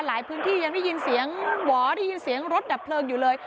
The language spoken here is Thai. พื้นที่ยังได้ยินเสียงหวอได้ยินเสียงรถดับเพลิงอยู่เลย